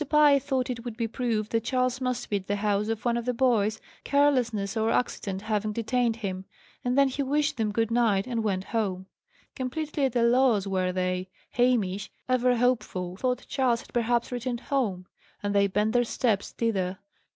Pye thought it would be proved that Charles must be at the house of one of the boys, carelessness or accident having detained him. And then he wished them good night and went home. Completely at a loss were they. Hamish, ever hopeful, thought Charles had perhaps returned home: and they bent their steps thither.